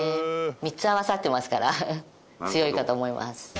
３つ合わさってますから強いかと思います。